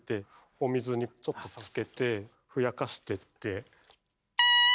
お水にちょっとつけてふやかしてって。